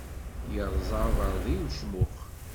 Irẓa abeṛdi i ucmux.